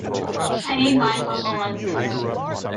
I need bifocal lenses.